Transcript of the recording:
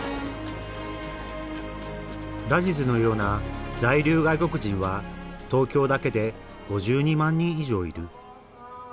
ラジズのような在留外国人は東京だけで５２万人以上いる。